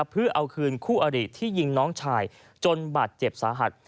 เพื่อเอาคืนคู่อริที่ยิงน้องชายจนบาดเจ็บสาหัส